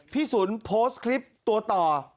สุนโพสต์คลิปตัวต่อ